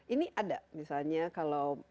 ini ada misalnya kalau